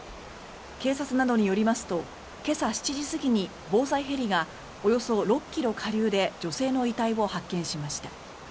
警察などによりますと今朝７時過ぎに防災ヘリがおよそ６ｋｍ下流で女性の遺体を発見しました。